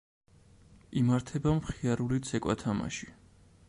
იმართება მხიარული ცეკვა-თამაში.